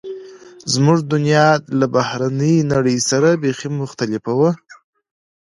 زموږ دنیا له بهرنۍ نړۍ سره بیخي مختلفه وه